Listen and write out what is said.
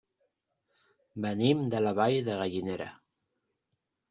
Venim de la Vall de Gallinera.